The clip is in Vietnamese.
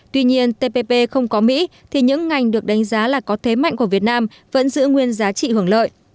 tuy nhiên tpp không có mỹ thì những ngành được đánh giá là có thế mạnh của việt nam vẫn giữ nguyên giá trị hưởng lợi